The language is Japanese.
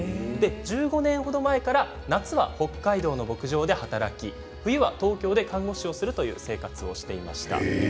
１５年程前から夏は北海道の牧場で働き冬は東京で看護師をするという生活をされていました。